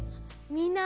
みんな！